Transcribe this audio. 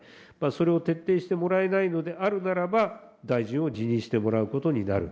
それを徹底してもらえないのであるならば、大臣を辞任してもらうことになる。